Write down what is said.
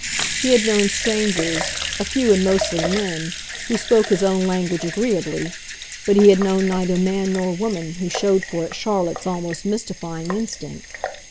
He had known strangers a few, and mostly men who spoke his own language agreeably; but he had known neither man nor woman who showed for it Charlotte's almost mystifying instinct.